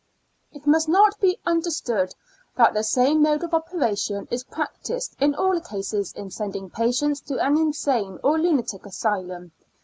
It must not be understood that the same mode of operation is practiced in all cases in sending patients to an insane or lunatic asylum.